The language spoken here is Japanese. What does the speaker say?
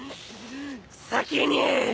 先に。